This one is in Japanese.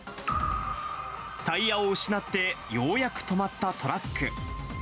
タイヤを失って、ようやく止まったトラック。